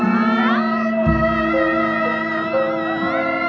misdami ramun diri kosong teki